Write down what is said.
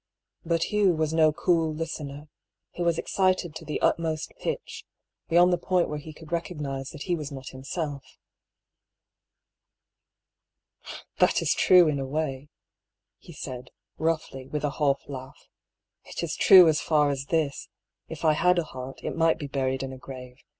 But Hugh was no cool listener; he was excited to the utmost pitch, beyond the point where he could rec ognise that he was not himself. " That is true in a way," he said, roughly, with a half laugh. " It is true as far as this : if I had a heart, it might be buried in a grave.